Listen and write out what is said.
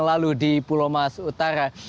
lalu di pulau mas utara